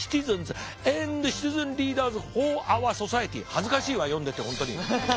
恥ずかしいわ読んでて本当に。